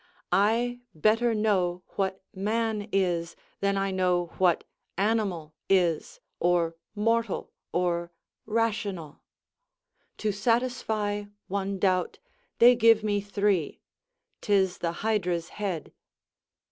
I better know what man is than I know what Animal is, or Mortal, or Rational. To satisfy one doubt, they give me three; 'tis the Hydra's head.